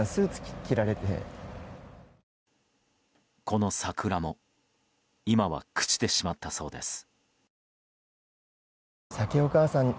この桜も今は朽ちてしまったそうです。